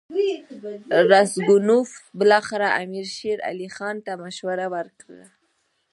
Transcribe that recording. راسګونوف بالاخره امیر شېر علي خان ته مشوره ورکړه.